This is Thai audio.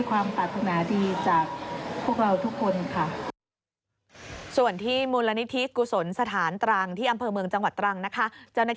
วันนี้ขอส่งแรงใจให้ทีมหมูปะอาคาเดมี่